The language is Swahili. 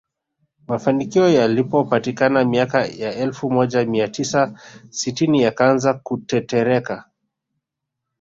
Mafanikio yaliyopatikana miaka ya elfu moja mia tisa sitini yakaanza kutetereka